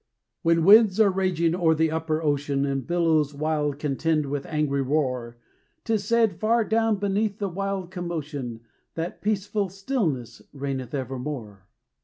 When winds are raging o'er the upper ocean, And billows wild contend with angry roar, 'Tis said, far down beneath the wild commotion, That peaceful stillness reigneth evermore.